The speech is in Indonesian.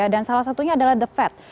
dan salah satunya adalah the fed